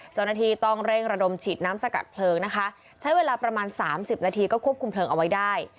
เจ้าหน้าที่ต้องเร่งระดมฉีดน้ำสกัดเพลิงนะคะใช้เวลาประมาณสามสิบนาทีก็ควบคุมเพลิงเอาไว้ได้